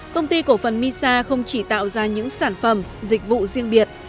công ty cổ phần misa không chỉ tạo ra những sản phẩm dịch vụ riêng biệt